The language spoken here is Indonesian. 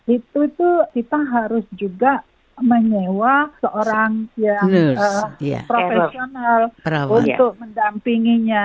itu kita harus juga menyewa seorang yang profesional untuk mendampinginya